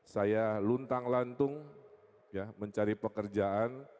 saya luntang lantung mencari pekerjaan